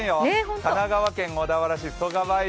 神奈川県小田原市・曽我梅林